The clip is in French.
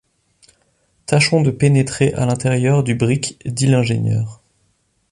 Tâchons de pénétrer à l’intérieur du brick, dit l’ingénieur.